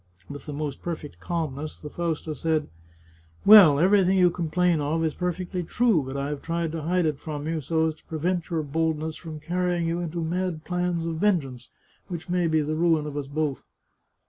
With the most perfect calmness the Fausta said :" Well, everything you complain of is perfectly true, but I have tried to hide it from you, so as to prevent your boldness from carrying you into mad plans of venge ance which may be the ruin of us both.